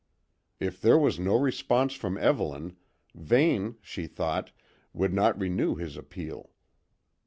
If there was no response from Evelyn, Vane, she thought, would not renew his appeal.